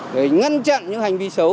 để ngăn chặn những hành vi xấu